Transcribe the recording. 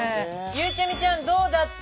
ゆうちゃみちゃんどうだった？